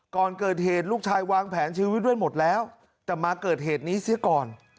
ก่อนเกิดเหตุลูกชายวางแผนชีวิตไว้หมดแล้วแต่มาเกิดเหตุนี้เสียก่อน